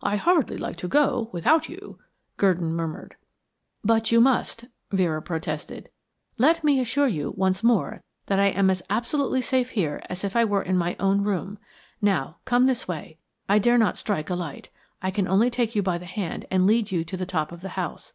"I hardly like to go, without you," Gurdon murmured. "But you must," Vera protested. "Let me assure you once more that I am as absolutely safe here as if I were in my own room. Now, come this way. I dare not strike a light. I can only take you by the hand and lead you to the top of the house.